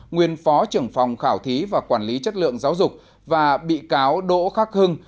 nguyên phó trưởng phòng khảo thí và quản lý chất lượng giáo dục và bị cáo đỗ khắc hưng